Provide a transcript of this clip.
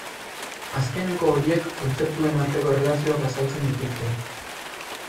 Azkeneko horiek kontzeptuen arteko erlazioak azaltzen dituzte.